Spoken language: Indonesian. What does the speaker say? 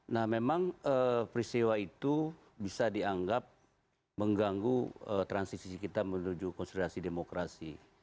nah memang peristiwa itu bisa dianggap mengganggu transisi kita menuju konsolidasi demokrasi